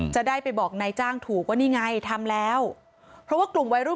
จะได้ไปบอกนายจ้างถูกว่านี่ไงทำแล้วเพราะว่ากลุ่มวัยรุ่น